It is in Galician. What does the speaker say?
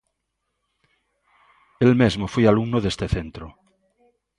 El mesmo foi alumno deste centro.